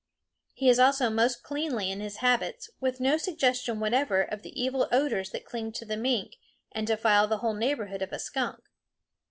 He is also most cleanly in his habits, with no suggestion whatever of the evil odors that cling to the mink and defile the whole neighborhood of a skunk.